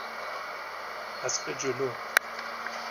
اسب جلو